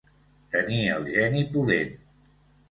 Tenir el geni pudent.